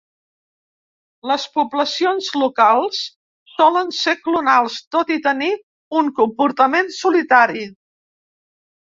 Les poblacions locals solen ser clonals tot i tenir un comportament solitari.